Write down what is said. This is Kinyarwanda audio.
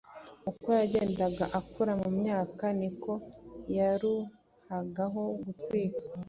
Uko yagendaga akura mu myaka, niko yaruhagaho gutwika